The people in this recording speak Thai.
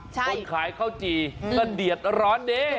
คนขายข้าวจี่ก็เดี๋ยดร้อนเนี่ย